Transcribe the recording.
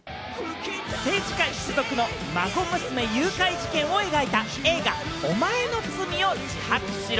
政治家一族の孫娘誘拐事件を描いた映画『おまえの罪を自白しろ』。